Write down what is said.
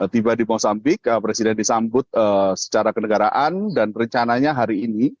tiba di mosampik presiden disambut secara kenegaraan dan rencananya hari ini